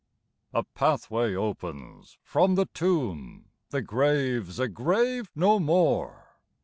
" A pathway opens from the tomb, The grave's a grave no more